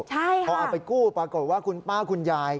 พอเอาไปกู้ปรากฏว่าคุณป้าคุณยาย